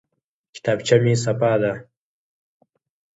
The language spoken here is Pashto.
کتابچه مې صفا ده.